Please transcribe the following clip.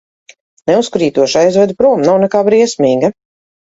Neuzkrītoši aizvedu prom, nav nekā briesmīga.